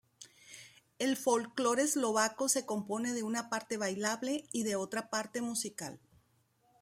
El folclore eslovaco se compone de una parte bailable y de otra parte musical.